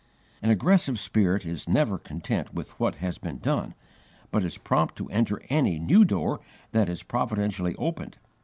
An aggressive spirit is never content with what has been done, but is prompt to enter any new door that is providentially opened.